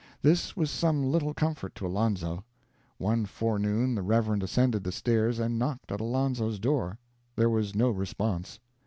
This was some little comfort to Alonzo. One forenoon the Reverend ascended the stairs and knocked at Alonzo's door. There was no response.